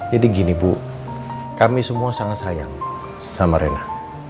jadi gini bu kami semua sangat sayang sama rena